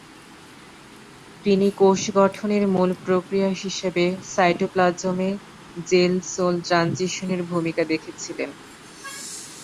তিনি কোষ গঠনের মূল প্রক্রিয়া হিসাবে সাইটোপ্লাজমে জেল-সোল ট্রানজিশনের ভূমিকা দেখেছিলেন।